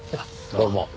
どうも。